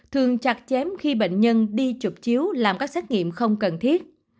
thường chặt chém khi bệnh nhân đi chụp chiếu làm các xét nghiệm không cần thiết